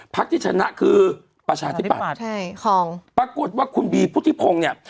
ที่ชนะคือประชาธิปัตย์ใช่ของปรากฏว่าคุณบีพุทธิพงศ์เนี่ย